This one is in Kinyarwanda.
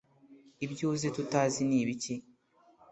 Ibyo uzi tutazi ni ibiki?